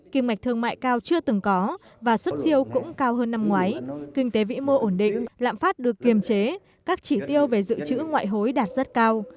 kim ngạch thương mại cao chưa từng có và xuất siêu cũng cao hơn năm ngoái kinh tế vĩ mô ổn định lạm phát được kiềm chế các chỉ tiêu về dự trữ ngoại hối đạt rất cao